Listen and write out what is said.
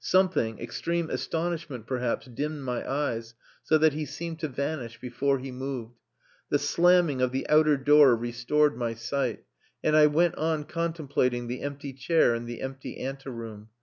Something, extreme astonishment perhaps, dimmed my eyes, so that he seemed to vanish before he moved. The slamming of the outer door restored my sight, and I went on contemplating the empty chair in the empty ante room.